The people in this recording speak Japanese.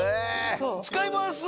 使い回すの？